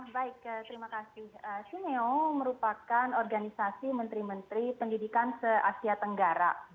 baik terima kasih sineo merupakan organisasi menteri menteri pendidikan se asia tenggara